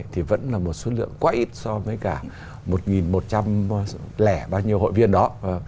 thì vẫn là một số lượng quá ít so với cả một một trăm linh bao nhiêu hội viên đó